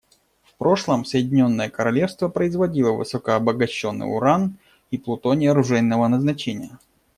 В прошлом Соединенное Королевство производило высокообогащенный уран и плутоний оружейного назначения.